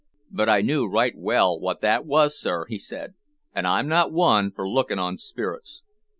"But I knew right well what that was, sir," he said, "and I'm not one for looking on spirits.